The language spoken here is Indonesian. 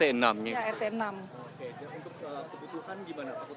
oke dan untuk kebutuhan gimana aku tercukupi belum di sini